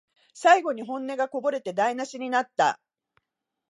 最後に本音がこぼれて台なしになった